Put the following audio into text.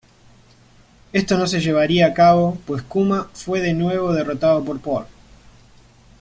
Esto no se llevaría a cabo, pues Kuma fue de nuevo derrotado por Paul.